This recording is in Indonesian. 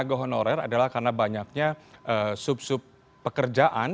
lembaga honorer adalah karena banyaknya sub sub pekerjaan